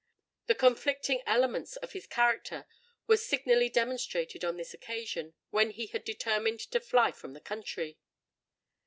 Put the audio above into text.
The conflicting elements of his character were signally demonstrated on this occasion, when he had determined to fly from the country.